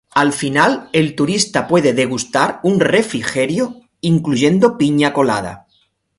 Al final el turista puede degustar un refrigerio incluyendo piña colada.